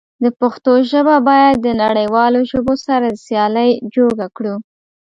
د پښتو ژبه بايد د نړيوالو ژبو سره د سيالی جوګه کړو.